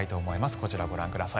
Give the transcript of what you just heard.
こちらをご覧ください。